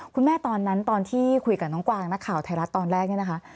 ตอนนั้นตอนที่คุยกับน้องกวางนักข่าวไทยรัฐตอนแรกเนี่ยนะคะ